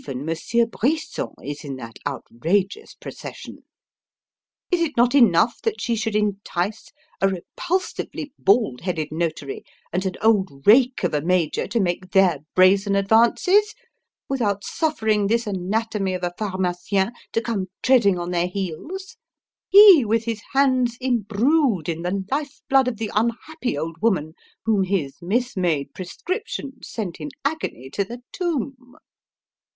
Even Monsieur Brisson is in that outrageous procession! Is it not enough that she should entice a repulsively bald headed notary and an old rake of a major to make their brazen advances, without suffering this anatomy of a pharmacien to come treading on their heels? he with his hands imbrued in the life blood of the unhappy old woman whom his mismade prescription sent in agony to the tomb!